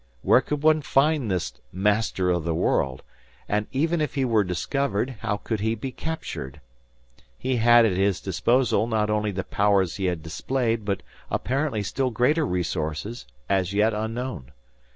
Where could one find this Master of the World? And even if he were discovered, how could he be captured? He had at his disposal not only the powers he had displayed, but apparently still greater resources as yet unknown.